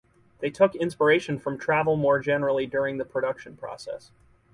They took inspiration from travel more generally during the production process.